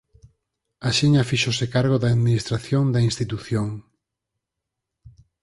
Axiña fíxose cargo da administración da institución.